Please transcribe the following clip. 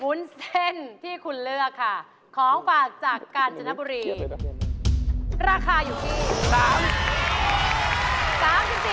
วุ้นเส้นที่คุณเลือกค่ะของฝากจากกาญจนบุรีราคาอยู่ที่